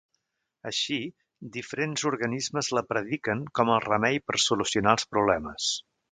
Així, diferents organismes la prediquen com el remei per solucionar els problemes.